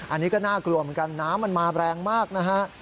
อันนี้ก็น่ากลัวเหมือนกันน้ำมันมาแรงมากนะฮะ